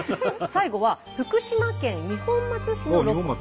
最後は福島県二本松市のロコ。